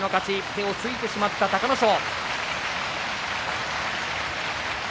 手をついてしまった隆の勝。